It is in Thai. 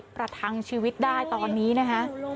ประทังชีวิตได้ตอนนี้นะคะ